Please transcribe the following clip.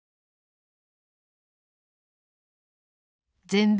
全米